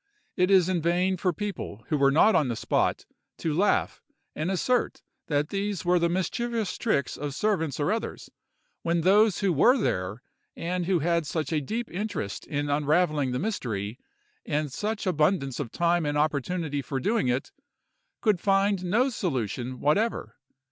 It is in vain for people who were not on the spot to laugh, and assert that these were the mischievous tricks of servants or others, when those who were there, and who had such a deep interest in unravelling the mystery, and such abundance of time and opportunity for doing it, could find no solution whatever.